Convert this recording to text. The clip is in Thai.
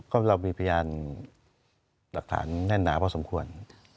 ก็เรามีพยานหลักฐานแน่นหนาพอสมควร